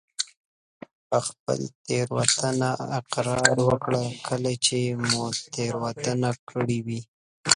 په خپله تېروتنه اقرار وکړه کله چې مو تېروتنه کړي وي.